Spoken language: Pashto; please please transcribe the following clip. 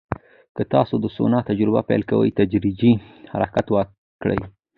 که تاسو د سونا تجربه پیل کوئ، تدریجي حرکت وکړئ.